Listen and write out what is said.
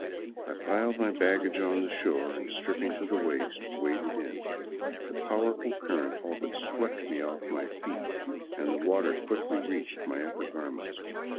I piled my baggage on the shore and, stripping to the waist, waded in. The powerful current all but swept me off my feet and the water quickly reached my upper garments.